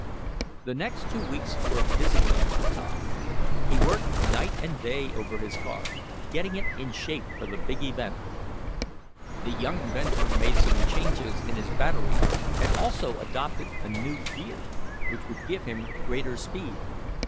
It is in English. The next two weeks were busy ones for Tom. He worked night and day over his car, getting it in shape for the big event. The young inventor made some changes in his battery, and also adopted a new gear, which would give greater speed.